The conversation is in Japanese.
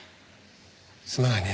すまないね